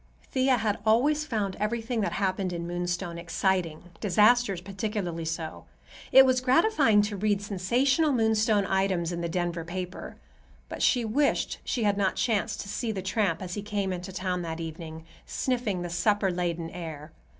Thea had always found everything that happened in Moonstone exciting, disasters particularly so. It was gratifying to read sensational Moonstone items in the Denver paper. But she wished she had not chanced to see the tramp as he came into town that evening, sniffing the supper laden air.